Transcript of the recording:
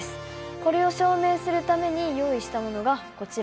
これを証明するために用意したものがこちら。